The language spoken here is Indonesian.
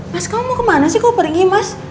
mas kamu mau kemana sih gue peringin mas